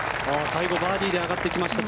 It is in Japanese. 最後、バーディーで上がってきました。